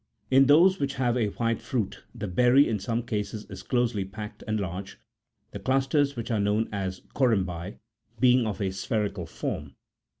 In those which have a white fruit, the berry in some cases is closely packed and large, the clusters, which are known as " corymbi," being of a spherical form.